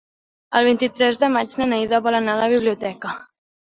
El vint-i-tres de maig na Neida vol anar a la biblioteca.